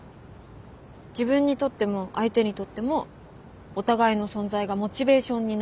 自分にとっても相手にとってもお互いの存在がモチベーションになる。